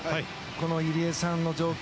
この入江さんの状況